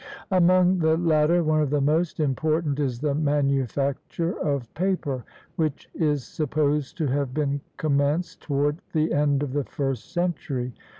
Among the latter, one of the most important is the manufacture of paper, which is supposed to have been commenced toward the end of the first century.